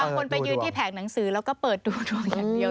บางคนไปยืนที่แผงหนังสือแล้วก็เปิดดูดวงอย่างเดียว